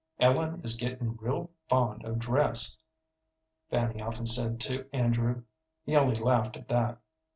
"Ellen is getting real fond of dress," Fanny often said to Andrew. He only laughed at that.